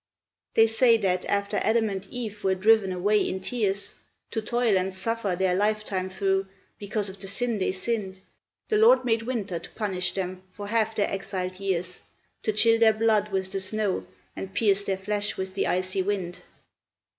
They say that after Adam and Eve were driven away in tears To toil and suffer their life time through, because of the sin they sinned, The Lord made Winter to punish them for half their exiled years, To chill their blood with the snow, and pierce their flesh with the icy wind.